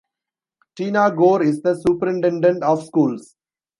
Tina Goar is the Superintendent of Schools.